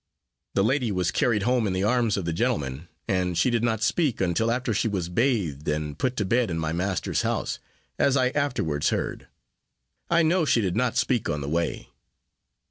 The lady was carried home in the arms of the gentlemen; and she did not speak, until after she was bathed and put to bed in my master's house, as I afterwards heard. I know she did not speak on the way.